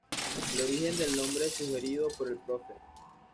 El origen del nombre sugerido por el Prof.